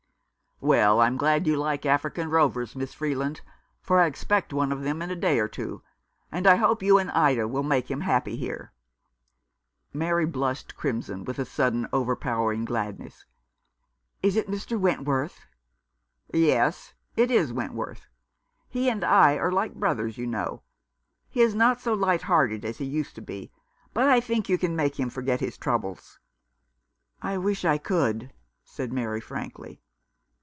" "Well, I'm glad you like African rovers, Miss Freeland, for I expect one of them in a day or two ; and I hope you and Ida will make him happy here." Mary blushed crimson, with a sudden over powering gladness. " Is it Mr. Wentworth ?" "Yes, it is Wentworth. He and I are like brothers, you know. He is not so light hearted as he used to be ; but I think you can make him forget his troubles." " I wish I could," said Mary, frankly.